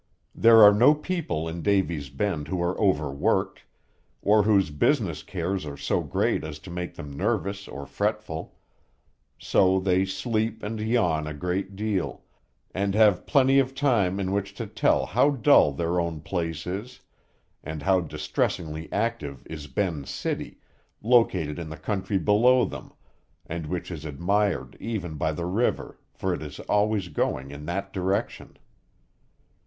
There are no people in Davy's Bend who are overworked, or whose business cares are so great as to make them nervous or fretful; so they sleep and yawn a great deal, and have plenty of time in which to tell how dull their own place is, and how distressingly active is Ben's City, located in the country below them, and which is admired even by the river, for it is always going in that direction.